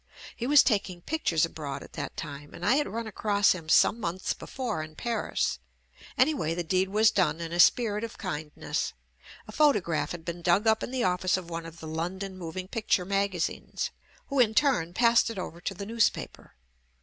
He was taking pic tures abroad at that time, and I had run across him some months before in Paris — anyway the deed was done in a spirit of kindness — a photograph had been dug up in the office of one of the London moving picture magazines, who in turn passed it over to the newspaper.